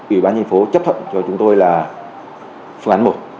ủy ban thành phố chấp thuận cho chúng tôi là phương án một